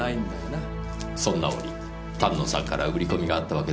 そんな折丹野さんから売り込みがあったわけですね？